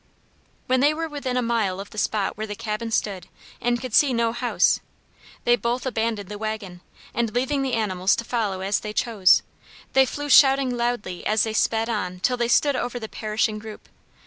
When they were within a mile of the spot where the cabin stood and could see no house, they both abandoned the wagon, and leaving the animals to follow as they chose, they flew shouting loudly as they sped on till they stood over the perishing group.